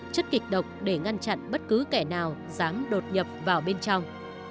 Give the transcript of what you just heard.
chất kịch độc để ngăn chặn bất cứ kẻ nào ráng đột nhập vào bên trong